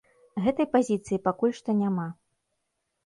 Гэтай пазіцыі пакуль што няма.